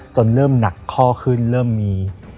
เริ่มหนักข้อขึ้นเริ่มมี